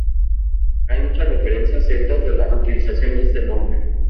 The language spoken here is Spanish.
Hay muchas referencias celtas de la utilización de este nombre.